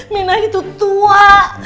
minah itu tua